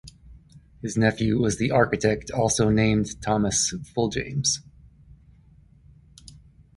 His nephew was the architect also named Thomas Fulljames.